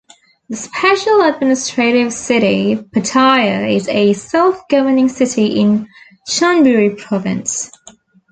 The special administrative city Pattaya is a self-governing city in Chonburi Province.